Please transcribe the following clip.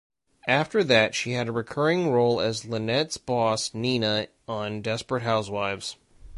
After that, she had a recurring role as Lynette's boss Nina on "Desperate Housewives".